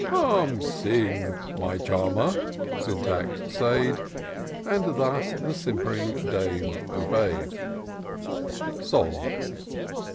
" Come, sing, my charmer," Syntax said ; And thus the simp'ring dame obey'd. Song.